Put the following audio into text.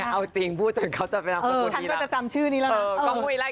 เอาสิ่งพูดจนเขาจะไปนำสังคมดีแล้ว